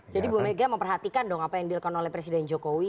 jadi ibu mega memperhatikan dong apa yang dilakukan oleh presiden jokowi